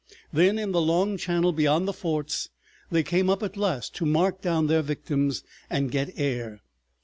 Then in the long channel beyond the forts they came up at last to mark down their victims and get air.